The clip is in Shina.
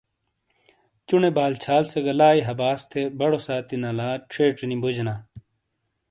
چُونے بال چھال سے گہ لائی ہَباس تھے بڑو سانتی نَلا چھیچینی بوجینا۔